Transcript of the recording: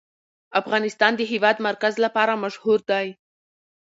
افغانستان د د هېواد مرکز لپاره مشهور دی.